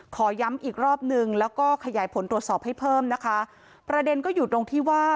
ขอย้ำอีกรอบนึงแล้วก็ขยายผลตรวจสอบให้เพิ่มนะคะประเด็นก็อยู่ตรงที่ว่า